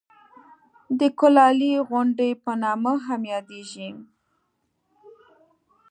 د کولالۍ غونډۍ په نامه هم یادېږي.